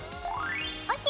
ＯＫ。